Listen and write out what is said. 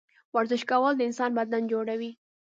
ورزش کول د انسان بدن جوړوي